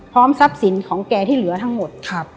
ทรัพย์สินของแกที่เหลือทั้งหมด